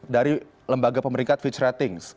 dari lembaga pemeringkat fitch ratings